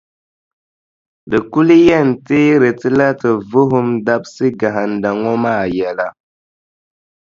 Di kuli yɛn teeri ti la ti vuhim dabisiʼ gahinda ŋɔ maa yɛla.